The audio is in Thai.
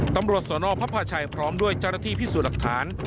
ตำรวจสวนอพภาชัยพร้อมด้วยจรฐธิพิสูจน์หลักฐาน